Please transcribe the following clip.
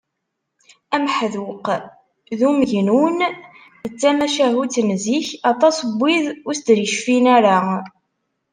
Ameḥduq d umegnun d tamacahut n zik, aṭas n wid ur as-d-yecfin ara